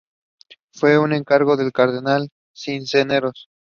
Fue un encargo del cardenal Cisneros.